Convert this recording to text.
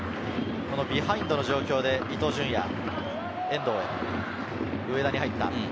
ビハインドの状況で伊東純也、遠藤、上田に入った。